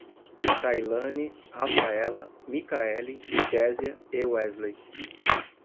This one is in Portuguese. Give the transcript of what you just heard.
Cailane, Rafaella, Micaeli, Kezia e Weslley